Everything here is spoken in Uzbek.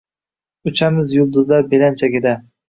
Uchamiz yulduzlar belanchagida.